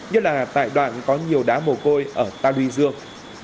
nhất là tại đoạn có nhiều đá bồ côi ở ta duy dương